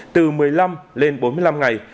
từ một mươi năm lên bốn mươi ngày